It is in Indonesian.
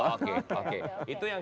oh oke itu yang